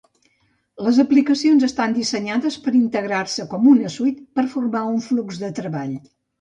Les aplicacions estan dissenyades per integrar-se com una suite, per formar un flux de treball.